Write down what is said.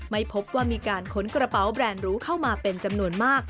ไม่พบว่ามีการขนกระเป๋าแบรนด์หรูเข้ามาเป็นจำนวนมาก